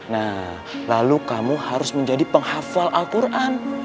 nah lalu kamu harus menjadi penghafal al quran